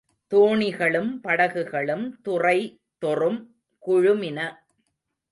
தோணிகளும் படகுகளும் துறை தொறும் குழுமின.